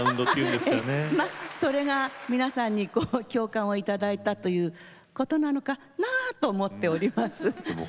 それが皆さんに共感をいただいたということなのかなと思っております。